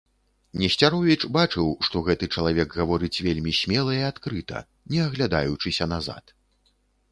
Несцяровіч бачыў, што гэты чалавек гаворыць вельмі смела і адкрыта, не аглядаючыся назад.